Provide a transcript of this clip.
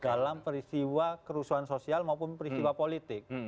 dalam peristiwa kerusuhan sosial maupun peristiwa politik